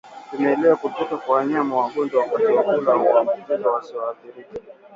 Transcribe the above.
Vimelea kutoka kwa wanyama wagonjwa wakati wa kula huwaambukiza wasioathirika